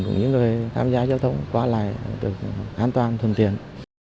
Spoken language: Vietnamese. của những người tham gia giao thông qua lại được an toàn thường tiện